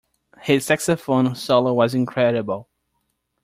His saxophone solo was incredible.